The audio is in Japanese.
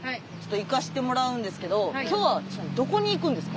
行かしてもらうんですけど今日はどこに行くんですか？